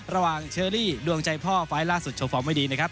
ระหว่างเชอรี่ดวงใจพ่อไฟล์ล่าสุดโชว์ฟอร์มไม่ดีนะครับ